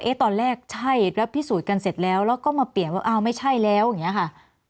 ตอนแรกใช่แล้วพิสูจน์กันเสร็จแล้วแล้วก็มาเปลี่ยนว่าอ้าวไม่ใช่แล้วอย่างนี้ค่ะ